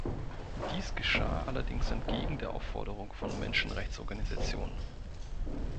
Dies geschah allerdings entgegen der Aufforderung von Menschenrechtsorganisation.